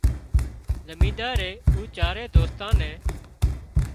امينۮارئي او چارئي دوستان نين